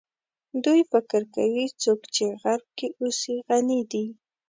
دوی فکر کوي څوک چې غرب کې اوسي غني دي.